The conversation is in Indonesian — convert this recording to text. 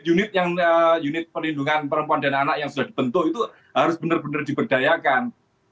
unit unit penindungan perempuan dan anak yang sudah dibentuk itu harus benar benar diberdayakan